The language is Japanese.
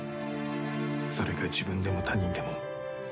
それが自分でも他人でも。